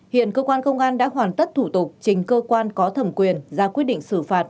hiện cơ quan công an đã hoàn tất thủ tục trình cơ quan có thẩm quyền ra quyết định xử phạt